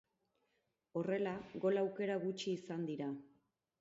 Horrela, gol aukera gutxi izan dira.